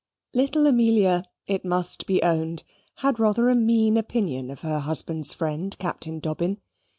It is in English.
Little Amelia, it must be owned, had rather a mean opinion of her husband's friend, Captain Dobbin.